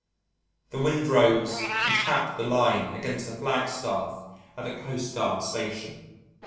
The wind rose and tapped the line against the flag staff at the Coastguard Station.